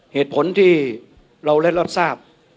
เหตุผลที่เราเล่นรอบทราบ